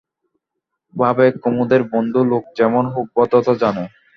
ভাবে, কুমুদের বন্ধু লোক যেমন হোক ভদ্রতা জানে।